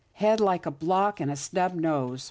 Head like a block, and a snub nose.